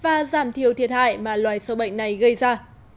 và giảm thiểu thiệt hại mà loài sâu bệnh này gây ra